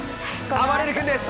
あばれる君です！